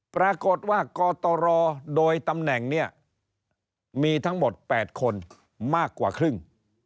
ปรากฏว่ากตรโดยตำแหน่งเนี่ยมีทั้งหมด๘คนมากกว่าครึ่ง